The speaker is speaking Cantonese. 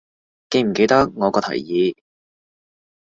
記唔記得我個提議